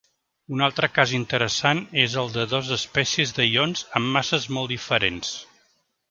Un altre cas interessant és el de dos espècies de ions amb masses molt diferents.